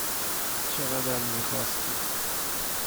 چقدر میخواستید؟